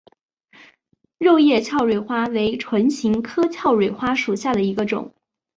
肉叶鞘蕊花为唇形科鞘蕊花属下的一个种。